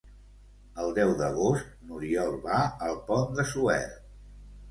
El deu d'agost n'Oriol va al Pont de Suert.